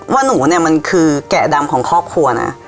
ว่าหนูเนี่ยมันคือแกะดำของครอบครัวนะ